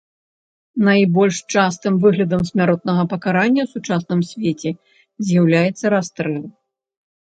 Найбольш частым выглядам смяротнага пакарання ў сучасным свеце з'яўляецца расстрэл.